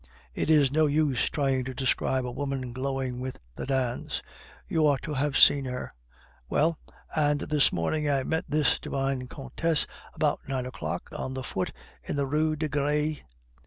it is no use trying to describe a woman glowing with the dance. You ought to have seen her! Well, and this morning I met this divine countess about nine o'clock, on foot in the Rue de Gres.